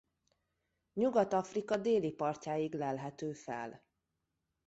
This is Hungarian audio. Nyugat-Afrika déli partjáig lelhető fel.